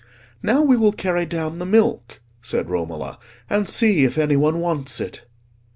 "Now we will carry down the milk," said Romola, "and see if any one wants it."